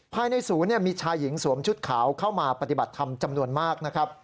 ภายในศูนย์มีชายหญิงสวมชุดขาวเข้ามาปฏิบัติธรรมจำนวนมากนะครับ